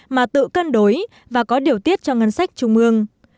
mà tự cân đối và có điều tiết cho ngân sách trung ương